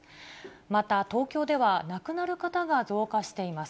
また東京では亡くなる方が増加しています。